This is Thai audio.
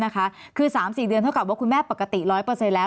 คือ๓๔เดือนเท่ากับว่าคุณแม่ปกติ๑๐๐แล้ว